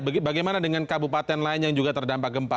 bagaimana dengan kabupaten lain yang juga terdampak gempa